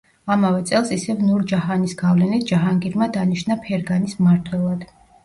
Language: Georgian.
ამავე წელს, ისევ ნურ-ჯაჰანის გავლენით, ჯაჰანგირმა დანიშნა ფერგანის მმართველად.